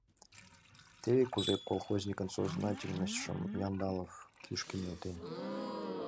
Теве кузе колхозникын сознательностьшым Яндалов «кӱшкӧ нӧлтен».